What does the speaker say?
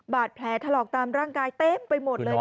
บาดแผลถลอกตามร่างกายเต็มไปหมดเลย